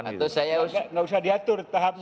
nggak usah diatur tahapnya